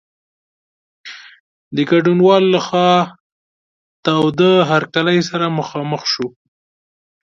د ګډونوالو له خوا تاوده هرکلی سره مخامخ شو.